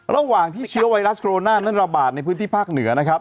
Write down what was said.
ระหว่างที่เชื้อไวรัสโรนานั้นระบาดในพื้นที่ภาคเหนือนะครับ